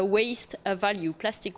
keuntungan untuk peluang plastik